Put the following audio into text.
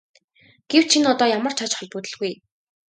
Гэвч энэ одоо ямар ч ач холбогдолгүй.